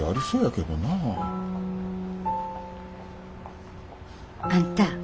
あんた。